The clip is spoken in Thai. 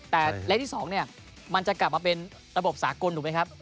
แต่เลขที่๒เนี่ยมันจะกลับมาเป็นระบบสากลถูกไหมครับ